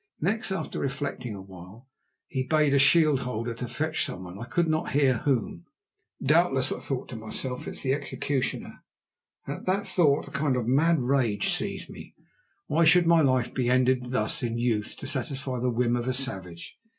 Next, after reflecting a while, he bade a shield holder to fetch someone, I could not hear whom. "Doubtless," thought I to myself, "it is the executioner," and at that thought a kind of mad rage seized me. Why should my life be ended thus in youth to satisfy the whim of a savage?